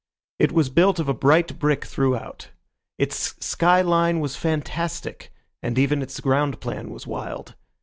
It was built of a bright brick throughout; its sky line was fantastic, and even its ground plan was wild.